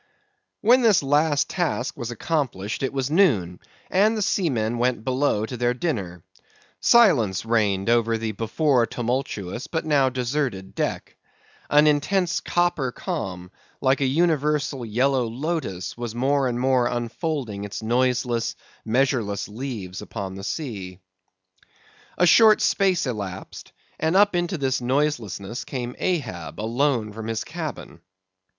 When this last task was accomplished it was noon, and the seamen went below to their dinner. Silence reigned over the before tumultuous but now deserted deck. An intense copper calm, like a universal yellow lotus, was more and more unfolding its noiseless measureless leaves upon the sea. A short space elapsed, and up into this noiselessness came Ahab alone from his cabin.